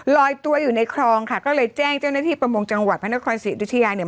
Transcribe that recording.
ลอยตัวอยู่ในคลองค่ะก็เลยแจ้งเจ้าหน้าที่ประมงจังหวัดพระนครศรีอยุธยาเนี่ย